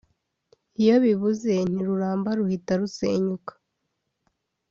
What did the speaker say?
iyo bibuze ntiruramba ruhita rusenyuka